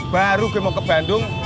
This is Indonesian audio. baru gue mau ke bandung